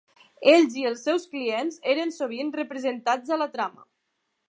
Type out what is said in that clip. Ells i els seus clients eren sovint representats a la trama.